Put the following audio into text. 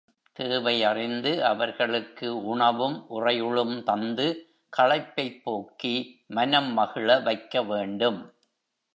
தேவை அறிந்து அவர்களுக்கு உணவும் உறையுளும் தந்து களைப்பைப் போக்கி மனம் மகிழ வைக்க வேண்டும்.